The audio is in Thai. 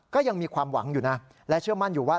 ก็ยังมีความหวังอยู่นะและเชื่อมั่นอยู่ว่า